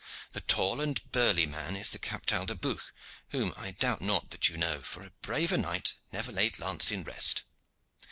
The tall and burly man is the Captal de Buch, whom I doubt not that you know, for a braver knight never laid lance in rest.